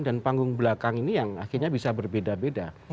dan panggung belakang ini yang akhirnya bisa berbeda beda